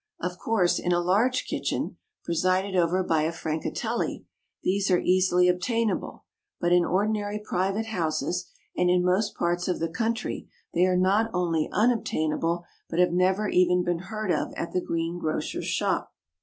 Of course, in a large kitchen, presided over by a Francatelli, these are easily obtainable; but in ordinary private houses, and in most parts of the country, they are not only unobtainable but have never even been heard of at the greengrocer's shop.